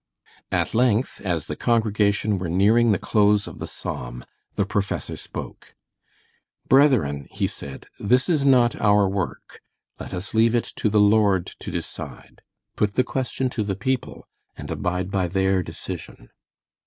At length, as the congregation were nearing the close of the psalm, the professor spoke. "Brethren," he said, "this is not our work. Let us leave it to the Lord to decide. Put the question to the people and abide by their decision."